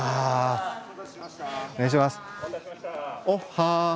おっはー！